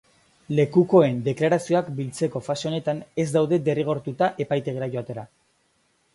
Lekukoen deklarazioak biltzeko fase honetan ez daude derrigortuta epaitegira joatera.